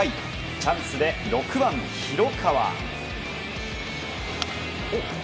チャンスで６番、広川。